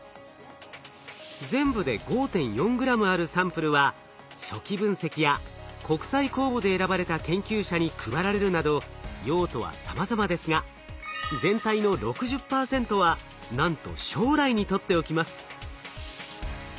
全部で５．４グラムあるサンプルは初期分析や国際公募で選ばれた研究者に配られるなど用途はさまざまですが全体の６０％はなんと将来に取っておきます。